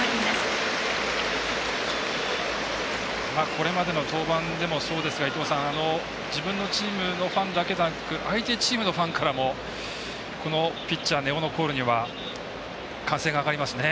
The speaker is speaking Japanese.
これまでの登板でもそうですが自分のチームのファンだけでなく相手チームのファンからもピッチャー、根尾のコールには歓声が上がりますね。